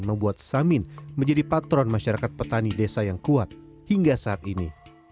membuat samin menjadi patron masyarakat petani desa yang kuat hingga saat ini